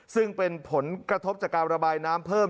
ซึ่งเป็นผลกระทบจากการระบายน้ำเพิ่ม